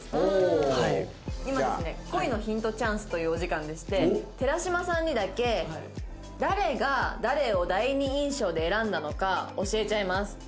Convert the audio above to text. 恋のヒントチャンスというお時間でして寺島さんにだけ誰が誰を第二印象で選んだのか教えちゃいます。